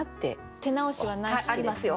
手直しはなし？ありますよ。